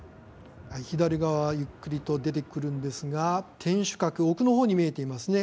左側、ゆっくりと出てくるんですが天守閣奥のほうに見えていますね